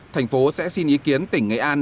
thành phố sẽ xin ý kiến tỉnh nghệ an